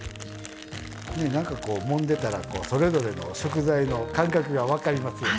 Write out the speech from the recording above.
なんかこうもんでたらこうそれぞれの食材の感覚が分かりますよね。